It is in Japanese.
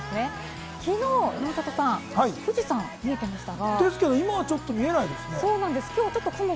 昨日、山里さん、富士山、見えていましたが。